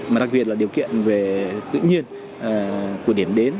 mà đặc biệt là điều kiện về tự nhiên của điểm đến